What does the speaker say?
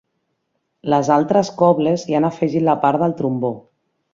Les altres cobles hi han afegit la part del trombó.